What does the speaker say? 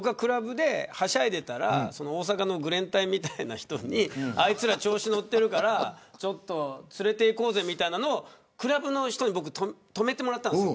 はしゃいでたら大阪のぐれん隊みたいな人にあいつら調子に乗ってるからちょっと連れて行こうぜみたいなのをクラブの人に止めてもらったんです。